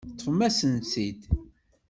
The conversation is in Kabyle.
Teṭṭfem-asen-tt-id.